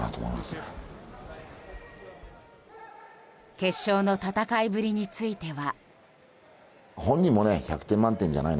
決勝の戦いぶりについては。